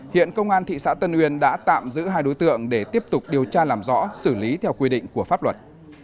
hiện công an thị xã tân uyên đã tạm giữ hai đối tượng để tiếp tục điều tra làm rõ xử lý theo quy định của pháp luật